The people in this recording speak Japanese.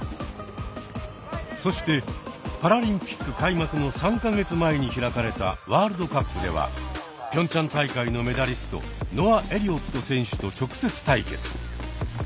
そしてパラリンピック開幕の３か月前に開かれたワールドカップではピョンチャン大会のメダリストノア・エリオット選手と直接対決。